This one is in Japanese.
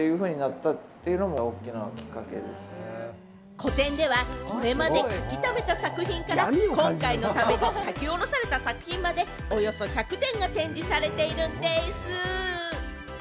個展では、これまで描きためた作品から今回のために描き下ろされた作品まで、およそ百点が展示されているんでぃす！